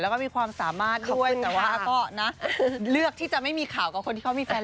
และมีความสามารถด้วยแต่ว่าก็เลือกที่จะไม่มีข่ากับคนมีแฟน